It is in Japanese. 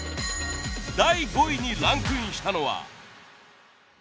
第５位にランクインしたのは。